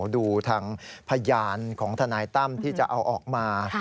ดูทางพยานของทนายตั้มที่จะเอาออกมา